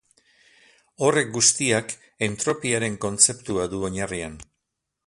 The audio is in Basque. Horrek guztiak entropiaren kontzeptua du oinarrian.